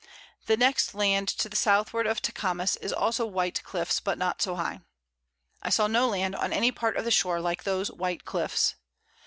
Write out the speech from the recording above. The next Land to the Southward of Tecames is also white Cliffs, but not so high. I saw no Land on any part of the Shore, like those white Cliffs.